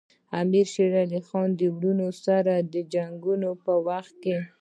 امیر شېر علي خان د وروڼو سره د جنګونو په وخت کې.